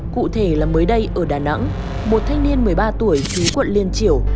cụ thể là mới đây ở đà nẵng một thanh niên một mươi ba tuổi chú quận liên triều